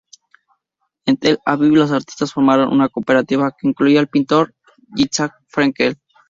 En Tel Aviv, los artistas formaron una cooperativa que incluía el pintor Yitzhak Frenkel.